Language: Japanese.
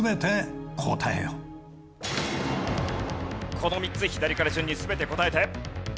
この３つ左から順に全て答えて。